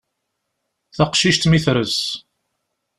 Taqcict mi tres.